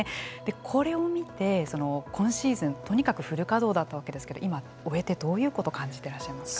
これを見て、今シーズンとにかくフル稼働だったんですが今、終えてどういうことを感じてらっしゃいますか。